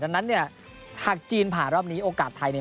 ดังนั้นเนี่ยหากจีนผ่านรอบนี้โอกาสไทยเนี่ย